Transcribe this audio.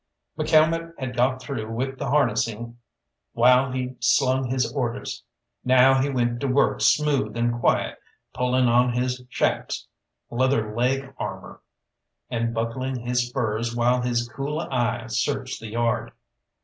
McCalmont had got through with the harnessing while he slung his orders; now he went to work smooth and quiet, pulling on his shaps (leather leg armour) and buckling his spurs while his cool eye searched the yard.